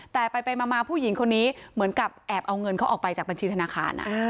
แต่ไปมาผู้หญิงคนนี้เหมือนกับแอบเอาเงินเขาออกไปจากบัญชีธนาคาร